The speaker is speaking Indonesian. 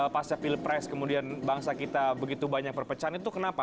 pasca pilpres kemudian bangsa kita begitu banyak perpecahan itu kenapa